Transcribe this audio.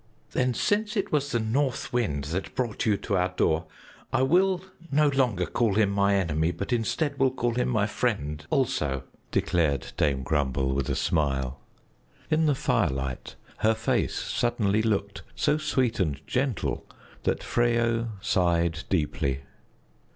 "Then since it was the North Wind that brought you to our door, I will no longer call him my enemy, but instead will call him my friend also," declared Dame Grumble with a smile. In the firelight her face suddenly looked so sweet and gentle that Freyo sighed deeply.